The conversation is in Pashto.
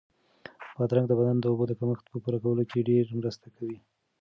بادرنګ د بدن د اوبو د کمښت په پوره کولو کې ډېره مرسته کوي.